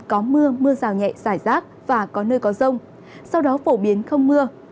có mưa mưa rào nhẹ giải rác và có nơi có rông sau đó phổ biến không mưa